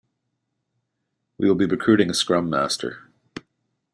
We will be recruiting a scrum master.